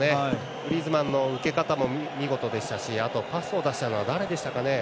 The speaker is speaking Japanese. グリーズマンの受け方も見事でしたし、パスを出したのは誰でしたかね。